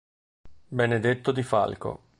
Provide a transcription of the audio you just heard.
Benedetto Di Falco